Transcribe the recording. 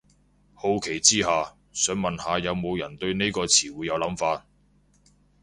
好奇之下，想問下有無人對呢個詞彙有諗法